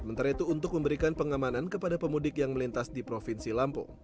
menteri itu untuk memberikan pengamanan kepada pemudik yang melintas di provinsi lampung